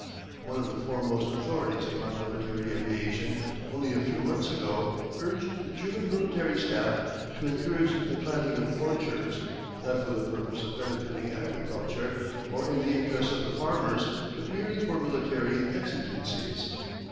One of the foremost authorities upon military aviation only a few months ago urged the German Military Staff to encourage the planting of orchards, not for the purpose of benefiting agriculture or in the interests of the farmers, but merely for military exigencies.